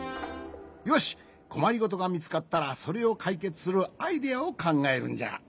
よしこまりごとがみつかったらそれをかいけつするアイデアをかんがえるんじゃ。